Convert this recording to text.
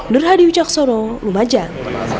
nurhadi wujaksoro lumajang